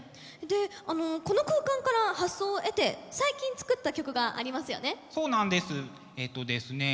でこの空間から発想を得て最近作った曲がありますよね？